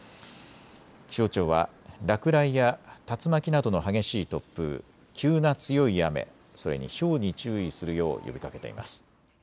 気象庁は落雷や竜巻などの激しい突風、急な強い雨、それにひょうに注意するよう呼びかけています。